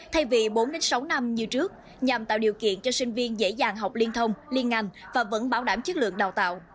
thay vì bốn sáu năm như trước nhằm tạo điều kiện cho sinh viên dễ dàng học liên thông liên ngành và vẫn bảo đảm chất lượng đào tạo